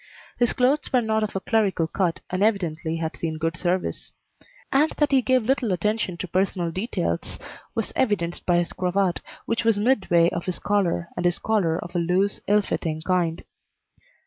His clothes were not of a clerical cut, and evidently had seen good service; and that he gave little attention to personal details was evidenced by his cravat, which was midway of his collar, and his collar of a loose, ill fitting kind.